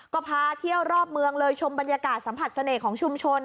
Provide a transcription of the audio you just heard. ก็พาเที่ยวรอบเมืองเลยชมบรรยากาศสัมผัสเสน่ห์ของชุมชน